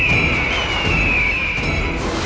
jangan berani kurang ajar padaku